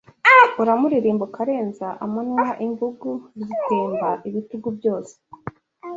Uramuririmba ukarenza amanywa Imbugu zitemba ibitugu byose